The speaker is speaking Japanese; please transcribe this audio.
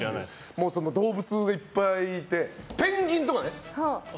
もう、動物がいっぱいいてペンギンとかね。